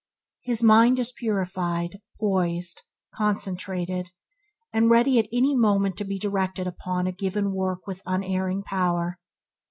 His mind is purified, poised, concentrated, and is ready at any moment to be directed upon a given work with unerring power.